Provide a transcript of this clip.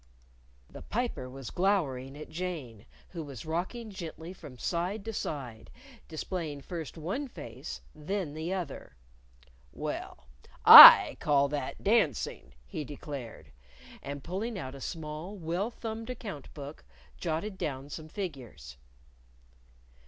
The Piper was glowering at Jane, who was rocking gently from side to side, displaying first one face, then the other. "Well, I call that dancing," he declared. And pulling out a small, well thumbed account book, jotted down some figures.